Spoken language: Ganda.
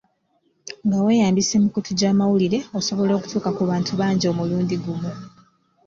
Nga weeyambisa emikutu gy'amawulire, osobola okutuuka ku bantu bangi omulundi gumu.